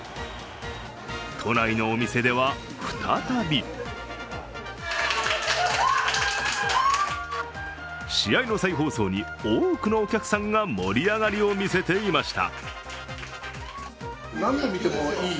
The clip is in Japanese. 都内のお店では、再び試合の再放送に多くのお客さんが盛り上がりを見せていました。